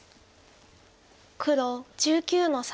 黒１９の三。